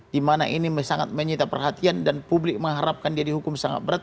di mana ini sangat menyita perhatian dan publik mengharapkan dia dihukum sangat berat